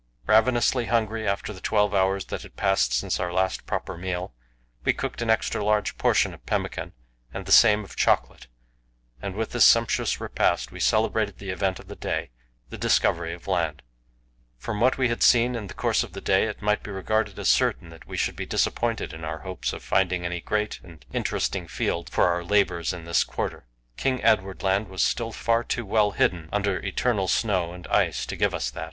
Ravenously hungry after the twelve hours that had passed since our last proper meal, we cooked an extra large portion of pemmican and the same of chocolate, and with this sumptuous repast we celebrated the event of the day the discovery of land. From what we had seen in the course of the day it might be regarded as certain that we should be disappointed in our hopes of finding any great and interesting field for our labours in this quarter; King Edward Land was still far too well hidden under eternal snow and ice to give us that.